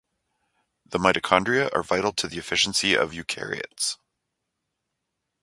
The mitochondria are vital to the efficiency of eukaryotes.